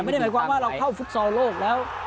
ไม่ได้หมายความว่าเราเข้าฟุตซอลโลกแล้ว